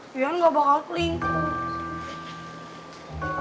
dian gak bakal selingkuh